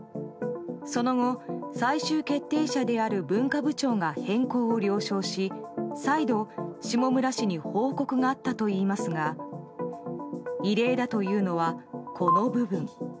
その後、最終決定者である文化部長が変更を了承し再度、下村氏に報告があったといいますが異例だというのは、この部分。